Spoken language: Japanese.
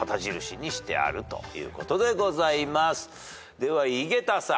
では井桁さん。